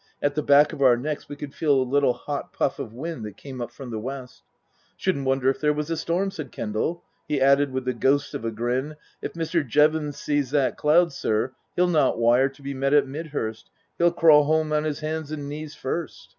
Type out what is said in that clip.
At the back of our necks we could feel a little hot puff of wind that came up from the west. " Shouldn't wonder if there was a storm," said Kendal. He added, with the ghost of a grin, " If Mr. Jevons sees that cloud, sir, he'll not wire to be met at Midhurst. He'd crawl home on his 'ands and knees first."